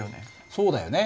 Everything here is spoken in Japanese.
そうだよね。